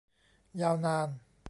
ยาวนาน